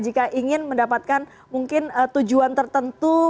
jika ingin mendapatkan mungkin tujuan tertentu